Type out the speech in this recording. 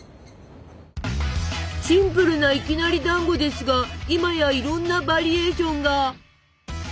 シンプルないきなりだんごですが今やいろんなバリエーションが！